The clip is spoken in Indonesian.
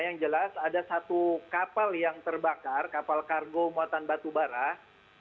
yang jelas ada satu kapal yang terbakar kapal kargo muatan batu bara